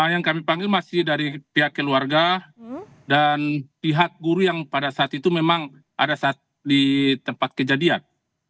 yang kami panggil masih dari pihak keluarga dan pihak guru yang pada saat itu memang ada saat di tempat kejadian